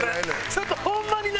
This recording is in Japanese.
ちょっとホンマに何？